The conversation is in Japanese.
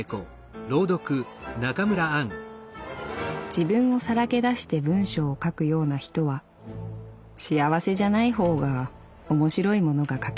「自分をさらけだして文章を書くような人は幸せじゃないほうがおもしろいものが書ける。